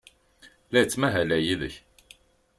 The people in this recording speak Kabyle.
La ttmahaleɣ yid-k.